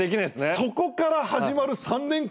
そこから始まる３年間。